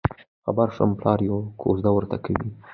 خبر شوم پلار یې کوزده ورته کوي.